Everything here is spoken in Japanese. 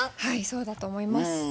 はいそうだと思います。